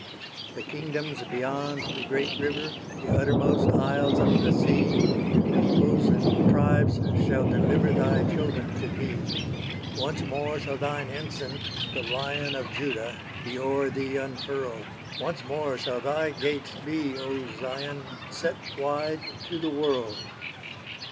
The kingdoms beyond the great river, The uttermost isles of the sea, And peoples and tribes shall deliver Thy children to thee. Once more shall thine ensign, the Lion Of Judah, be o'er thee unfurled; Once more shall thy gates be, O Zion, Set wide to the world!